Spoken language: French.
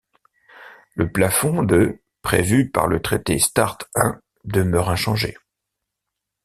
Le plafond de prévu par le traité Start I demeure inchangé.